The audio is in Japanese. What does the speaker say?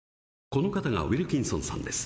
この方がウィルキンソンさんです。